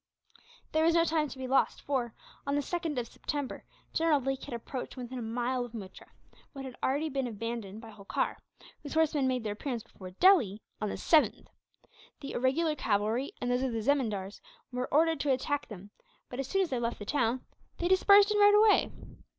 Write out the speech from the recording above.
There was no time to be lost for, on the 2nd of September, General Lake had approached to within a mile of Muttra; which had already been abandoned by Holkar, whose horsemen made their appearance before Delhi on the 7th. The irregular cavalry and those of the zemindars were ordered to attack them but, as soon as they left the town, they dispersed and rode away.